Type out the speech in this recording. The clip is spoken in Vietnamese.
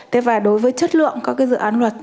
thế và đối với chất lượng các cái dự án luật